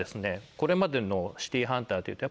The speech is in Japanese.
これまでの『シティーハンター』というと。